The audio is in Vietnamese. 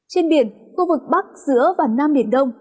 trên biển khu vực bắc giữa và nam biển đông